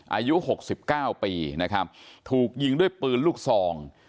อายุ๖๙ปีนะครับถูกยิงด้วยปืนลูกทรอง